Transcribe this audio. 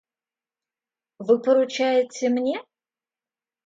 Вы поручаете мне?